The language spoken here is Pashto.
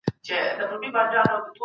ته ولي کور پاکوې؟